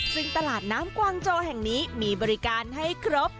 ซึ่งตลาดน้ำกวางโจแห่งนี้มีบริการให้ครบ